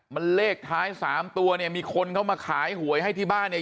มันเลขท้ายสามตัวเนี่ยมีคนเข้ามาขายหวยให้ที่บ้านเนี่ย